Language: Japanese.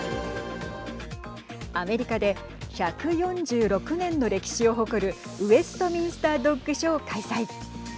アメリカで１４６年の歴史を誇るウェストミンスター・ドッグショーを開催。